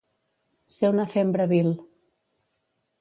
Ser una fembra vil.